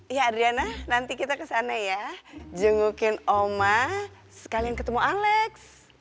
ya adriana nanti kita kesana ya jengukin oma sekalian ketemu alex